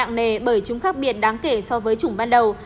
nặng nề bởi chúng khác biệt đáng kể so với chủng ban đầu